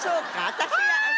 私が。